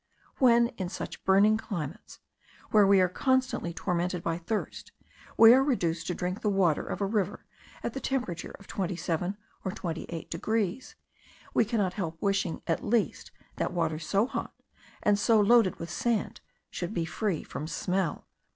When, in such burning climates, where we are constantly tormented by thirst, we are reduced to drink the water of a river at the temperature of 27 or 28 degrees, we cannot help wishing at least that water so hot, and so loaded with sand, should be free from smell.